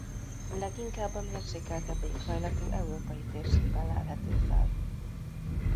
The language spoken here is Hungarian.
Leginkább a mérsékeltebb éghajlatú európai térségben lelhető fel.